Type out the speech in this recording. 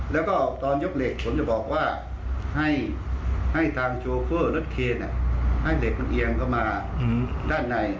แล้วก็ตอนยกเหล็กผมจะบอกว่าให้ทางโชเฟอร์รถเคนให้เหล็กมันเอียงเข้ามาด้านใน